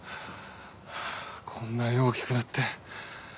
こんなに大きくなって。